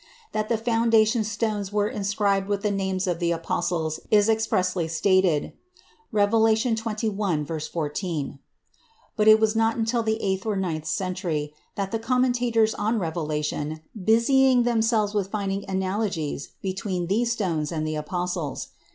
That the foundation stones were inscribed with the names of the apostles is expressly stated (Rev. xxi, 14), but it was not until the eighth or ninth century that the commentators on Revelation busied themselves with finding analogies between these stones and the apostles.